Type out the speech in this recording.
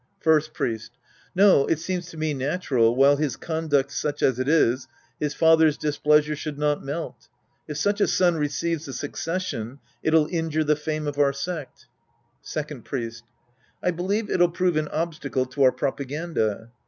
First Priest. No, it seems to me natural, wliile his conduct's such as it is, his father's displeasure should not melt. If such a son receives the succession, it'll injure the fame of our sect. Second Priest. I believe it'll prove an obstacle to our propaganda.